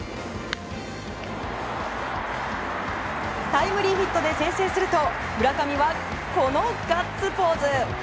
タイムリーヒットで先制すると村上はガッツポーズ。